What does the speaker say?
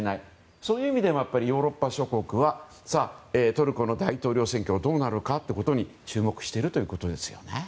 そういう意味でもヨーロッパ諸国はトルコの大統領選挙がどうなるか注目しているわけです。